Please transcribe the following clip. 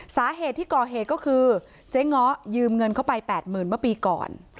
สาเหตุที่ก่อเหตุก็คือเจ๊ง้อยืมเงินเข้าไป๘๐๐๐เมื่อปีก่อน